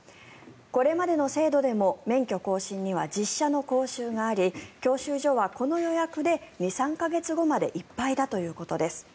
これまでの制度でも免許更新には実車の講習があり教習所はこの予約で２３か月後までいっぱいだということです。